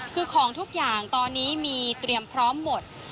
คือของทุกอย่างตอนนี้มีเตรียมพร้อมหมด